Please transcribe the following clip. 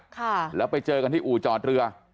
ค่ะแล้วไปเจอกันที่อู่จอดเรือ